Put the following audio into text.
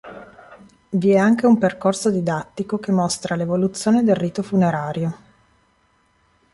Vi è anche un percorso didattico che mostra l'evoluzione del rito funerario.